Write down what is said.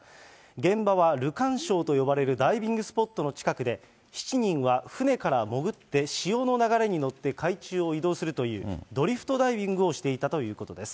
現場はるかんしょうと呼ばれるダイビングスポットの近くで、７人は船から潜って潮の流れに乗って、海中を移動するという、ドリフトダイビングをしていたということです。